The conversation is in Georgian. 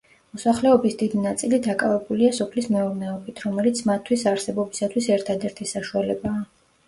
მოსახლეობის დიდი ნაწილი დაკავებულია სოფლის მეურნეობით, რომელიც მათთვის არსებობისათვის ერთადერთი საშუალებაა.